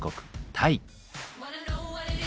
タイ。